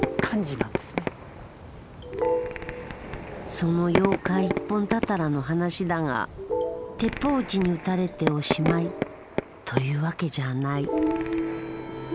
その妖怪一本たたらの話だが鉄砲撃ちに撃たれておしまいというわけじゃあない。